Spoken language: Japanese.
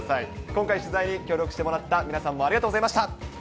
今回、取材に協力してもらった皆さんもありがとうございました。